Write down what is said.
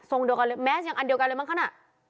เดียวกันเลยแมสยังอันเดียวกันเลยมั้งคะน่ะ